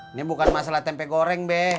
ini bukan masalah tempe goreng deh